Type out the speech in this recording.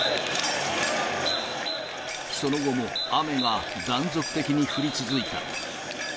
その後も雨が断続的に降り続いた。